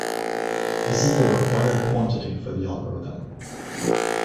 This is the required quantity for the algorithm.